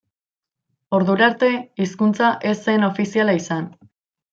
Ordu arte hizkuntza ez zen ofiziala izan.